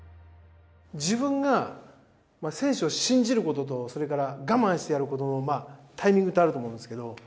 自分が選手を信じる事とそれから我慢してやる事のタイミングってあると思うんですけど。